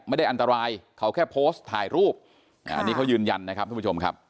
ไม่ได้อันตรายเขาแค่โพสต์ถ่ายรูปอันนี้เขายืนยันนะครับทุกผู้ชมครับ